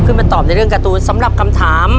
มาตอบในเรื่องการ์ตูนสำหรับคำถาม